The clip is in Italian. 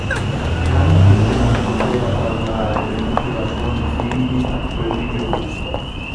Anche se non poteva parlare ed emetteva suoni simili a quelli di un lupo.